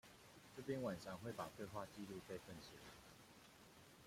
這邊晚上會把對話記錄備份起來